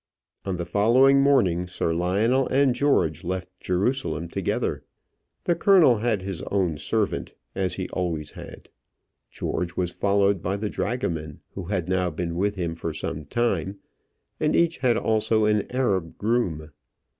On the following morning, Sir Lionel and George left Jerusalem together. The colonel had his own servant, as he always had; George was followed by the dragoman, who had now been with him for some time; and each had also an Arab groom.